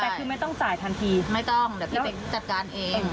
แต่คือไม่ต้องจ่ายทันทีไม่ต้องเดี๋ยวพี่ไปจัดการเอง